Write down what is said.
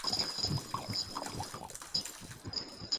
আমরা আল্লাহরই নিকট সাহায্য প্রার্থনা করি এবং তারই উপর ভরসা রাখি।